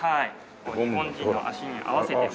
日本人の足に合わせて作る。